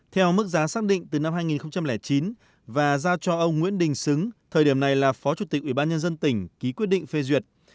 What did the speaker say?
theo mức giá xác định từ năm hai nghìn chín và giao cho ông nguyễn đình xứng thời điểm này là phó chủ tịch ủy ban nhân dân tỉnh ký quyết định phê duyệt